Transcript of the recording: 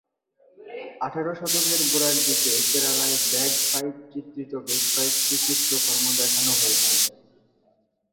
আঠারো শতকের গোড়ার দিকে কেরালায় ব্যাগ পাইপ চিত্রিত বেশ কয়েকটি চিত্রকর্ম দেখানো হয়েছে।